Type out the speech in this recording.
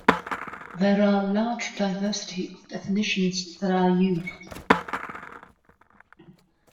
There are large diversity of definitions that are used.